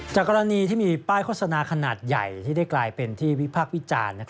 กรณีที่มีป้ายโฆษณาขนาดใหญ่ที่ได้กลายเป็นที่วิพากษ์วิจารณ์